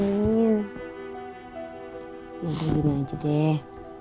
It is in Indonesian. gini aja deh